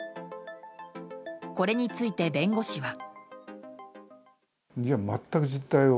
これについて弁護士は。